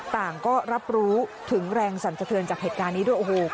ต่างก็รับรู้ถึงแรงสั่นเตินจากเหตุการณ์นี้ด้วย